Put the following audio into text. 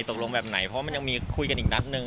ตกลงแบบไหนเพราะมันยังมีคุยกันอีกนัดนึง